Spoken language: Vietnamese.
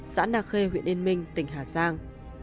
xã nạc khê huyện yên minh tỉnh hà giang